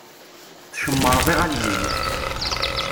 Tcemmṛeḍ iɣallen-im.